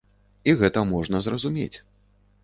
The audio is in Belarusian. І гэта можна зразумець.